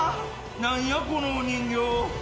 何やこのお人形。